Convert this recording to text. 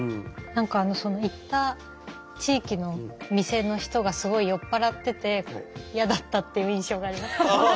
何か行った地域の店の人がすごい酔っ払ってて嫌だったっていう印象があります。